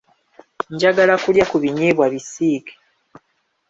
Njagala kulya ku binyeebwa bisiike.